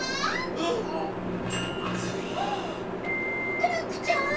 トランクちゃん？